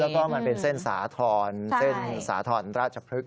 แล้วก็มันเป็นเส้นสาธรณ์เส้นสาธรณ์ราชพฤกษ